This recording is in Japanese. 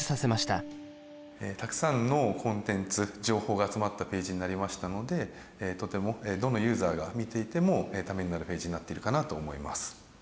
たくさんのコンテンツ情報が集まったページになりましたのでとてもどのユーザーが見ていてもためになるページになっているかなと思います。